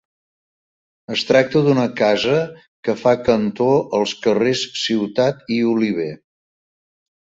Es tracta d'una casa que fa cantó als carrers Ciutat i Oliver.